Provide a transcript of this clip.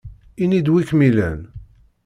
Ini-d wi kem-ilan!